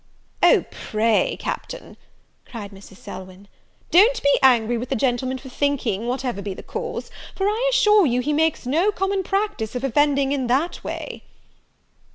"O pray, Captain," cried Mrs. Selwyn, "don't be angry with the gentleman for thinking, whatever be the cause, for I assure you he makes no common practice of offending in that way."